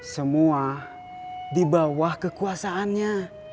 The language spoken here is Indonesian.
semua di bawah kekuasaannya